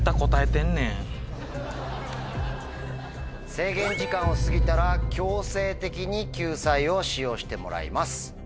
制限時間を過ぎたら強制的に救済を使用してもらいます。